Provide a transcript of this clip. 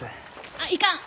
あっいかん！